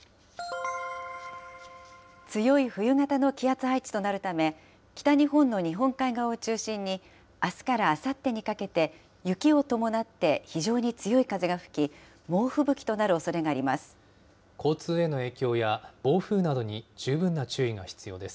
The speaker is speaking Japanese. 強い冬型の気圧配置となるため、北日本の日本海側を中心に、あすからあさってにかけて、雪を伴って非常に強い風が吹き、猛吹雪となるおそれがあります。